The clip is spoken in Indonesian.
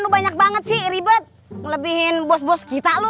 banyak banget sih ribet lebihin bos bos kita lu